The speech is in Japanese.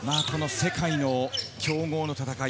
世界の強豪の戦い。